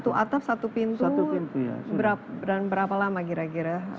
itu sudah satu atap satu pintu berapa lama kira kira